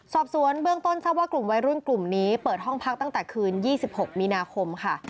สอบสวนเบื้องต้นทราบว่ากลุ่มวัยรุ่นกลุ่มนี้เปิดห้องพักตั้งแต่คืน๒๖มีนาคมค่ะ